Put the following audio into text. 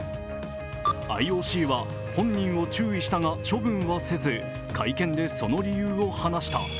ＩＯＣは本人を注意したが処分はせず会見で、その理由を話した。